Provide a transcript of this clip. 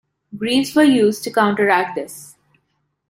Greaves were used to counteract this.